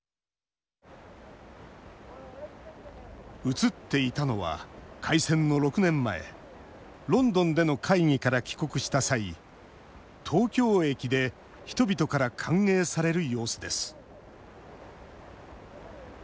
映っていたのは開戦の６年前ロンドンでの会議から帰国した際東京駅で人々から歓迎される様子です万歳！